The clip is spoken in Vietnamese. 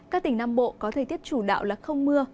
các tỉnh nam bộ có thời tiết chủ đạo là không mưa